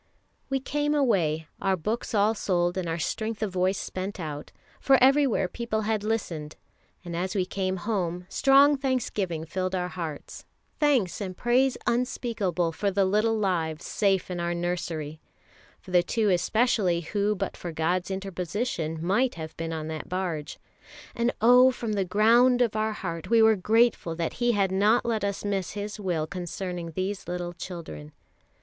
We came away, our books all sold and our strength of voice spent out, for everywhere people had listened; and as we came home, strong thanksgiving filled our hearts, thanks and praise unspeakable for the little lives safe in our nursery, for the two especially who but for God's interposition might have been on that barge and oh, from the ground of our heart we were grateful that He had not let us miss His will concerning these little children.